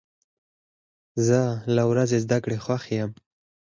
زه له ورځې زده کړې خوښ یم.